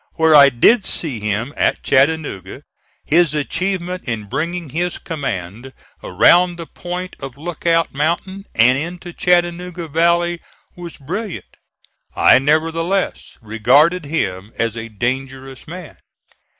Where I did see him, at Chattanooga, his achievement in bringing his command around the point of Lookout Mountain and into Chattanooga Valley was brilliant. I nevertheless regarded him as a dangerous man.